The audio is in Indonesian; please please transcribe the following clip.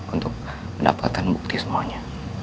untuk mendapatkan bukti semuanya